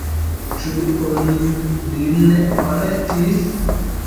Ĉu oni lin arestis?